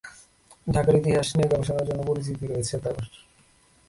ঢাকার ইতিহাস নিয়ে গবেষণার জন্য পরিচিতি রয়েছে তার।